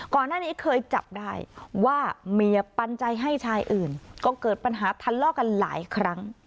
ก่อนหน้านี้เคยจับได้ว่าเมียปันใจให้ชายอื่นก็เกิดปัญหาทะเลาะกันหลายครั้ง